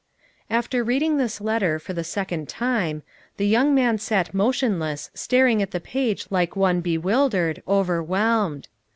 After reading this letter for the second time, the young man sat motionless staring at the page like one bewildered, overwhelmed.